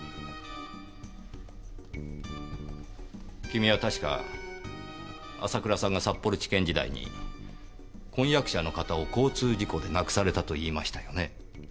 君はたしか浅倉さんが札幌地検時代に婚約者の方を交通事故で亡くされたと言いましたよね。